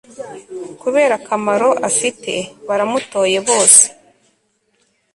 kubera akamaro afite baramutoye bose